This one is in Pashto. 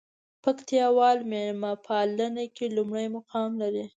پکتياوال ميلمه پالنه کې لومړى مقام لري.